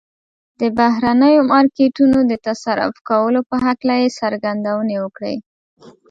د بهرنيو مارکيټونو د تصرف کولو په هکله يې څرګندونې وکړې.